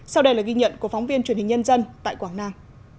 sau đây là ghi nhận của phóng viên truyền hình nhân dân tại quảng nam